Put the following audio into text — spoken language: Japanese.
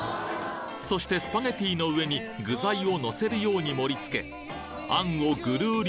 そしてスパゲティの上に具材をのせるように盛りつけ餡をぐるり